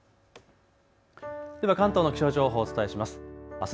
では関東の気象情報をお伝えします。